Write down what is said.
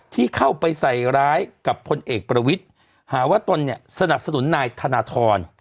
ที่เข้าไปใส่ร้ายกับพลเอกประวิทย์หาว่าตนเนี่ยสนับสนุนนายธนทร